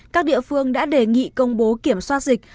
các địa phương đã đề nghị công bố kiểm soát dịch